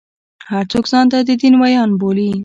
هر څوک ځان د دین ویاند بولي.